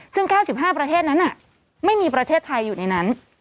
ซึ่ง๙๕ประเทศนั้นไม่มีประเทศไทยอยู่ในนั้น